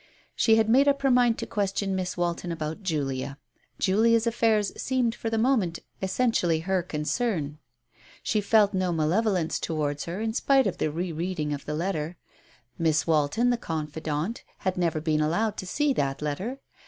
She had made up her mind to question Miss Walton about Julia. Julia's affairs seemed for the moment essentially her concern. She felt no malevolence to wards her in spite of the re reading of the letter. Miss Walton, the confidante, had never been allowed to see that letter.